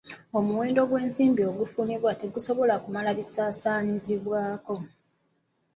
Omuwendo gw'ensimbi ogufunibwa tegusobola kumala bisaasaanyizibwako.